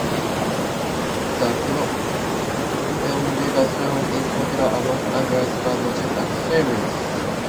The promenade on the River Shannon is popular among anglers, birdwatchers and swimmers.